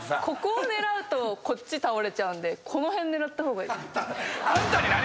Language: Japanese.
ここを狙うとこっち倒れちゃうんでこの辺狙った方がいい。